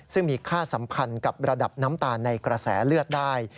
ซึ่งมีค่าสัมพันธ์กับระดับน้ำตาลในกระแสเลือดได้